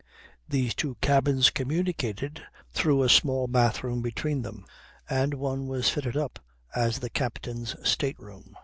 These two cabins communicated through a small bathroom between them, and one was fitted up as the captain's state room.